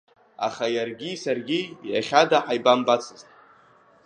Аха иаргьы саргьы иахьада ҳаибамбацызт.